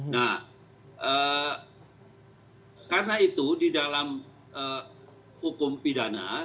nah karena itu di dalam hukum pidana